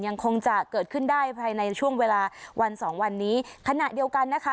ยังคงจะเกิดขึ้นได้ภายในช่วงเวลาวันสองวันนี้ขณะเดียวกันนะคะ